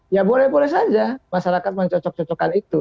ya boleh boleh saja masyarakat mencocok cocokkan itu